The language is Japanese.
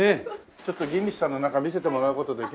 ちょっとギンビスさんの中見せてもらう事できますか？